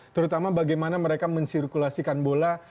terutama bagaimana mereka mensirkulasikan bola